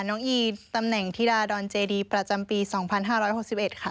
อีตำแหน่งธิดาดอนเจดีประจำปี๒๕๖๑ค่ะ